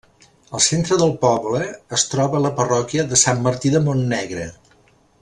Al centre del poble es troba la parròquia de Sant Martí de Montnegre.